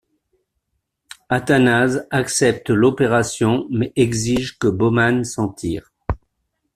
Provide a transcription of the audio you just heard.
Athanase accepte l'opération mais exige que Bauman s'en tire.